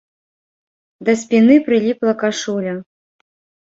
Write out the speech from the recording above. Да спіны прыліпла кашуля.